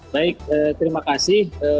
baik terima kasih